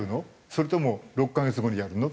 それとも６カ月後にやるの？